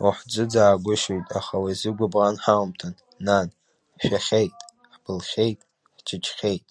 Ҳухӡыӡаагәышьоит, аха уи азы гәыбӷан ҳаумҭан, нан, ҳшәахьеит, ҳбылхьеит, ҳҷыҷхьеит.